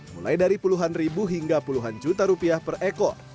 mulai dari puluhan ribu hingga puluhan juta rupiah per ekor